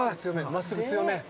真っすぐ強め。